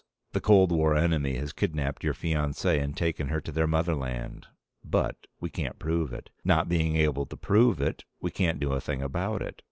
The cold war enemy has kidnapped your fiancee and taken her to their motherland. But we can't prove it. Not being able to prove it, we can't do a thing about it.